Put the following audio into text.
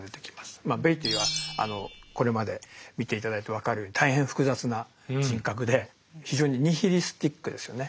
まあベイティーはこれまで見て頂いて分かるように大変複雑な人格で非常にニヒリスティックですよね。